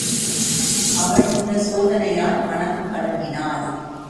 அவள் இந்தச் சோதனையால் மனம் கலங்கினாள்.